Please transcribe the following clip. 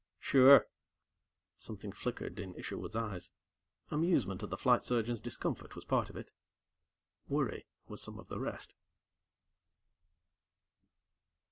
"Sure." Something flickered in Isherwood's eyes. Amusement at the Flight Surgeon's discomfort was part of it. Worry was some of the rest.